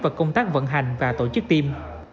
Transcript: vào công tác vận hành và tổ chức tiêm